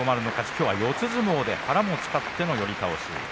きょうは四つ相撲で腹を使っての寄り倒し。